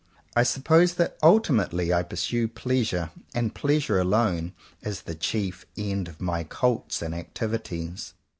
I sup pose that, ultimately, I pursue Pleasure — and Pleasure alone — as the chief end of my cults and activities.